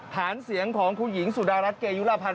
ฐานเสียงของคุณหญิงสุดารัฐเกยุรพันธ